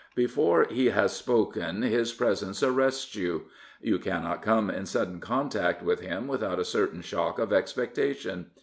Before he has spoken his presence arrests you. You cannot come in sudden contact with him without a certain shock of expectation.